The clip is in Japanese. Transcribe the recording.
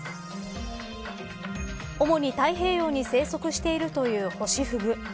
主に太平洋に生息しているというホシフグ。